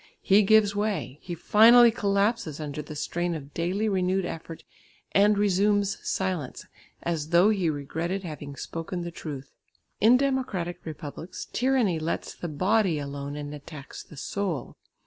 He gives way; he finally collapses under the strain of daily renewed effort, and resumes silence, as though he regretted having spoken the truth, "In democratic republics, tyranny lets the body alone and attacks the soul.